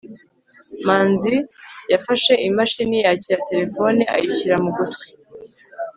manzi yafashe imashini yakira terefone ayishyira mu gutwi